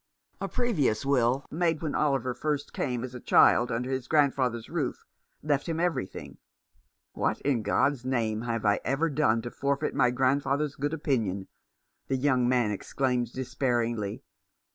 A previous will, made when Oliver first came as a child under his grandfather's roof, left him every thing. "What, in God's name, have I ever done to forfeit my grandfather's good opinion ?" the young man exclaimed despairingly.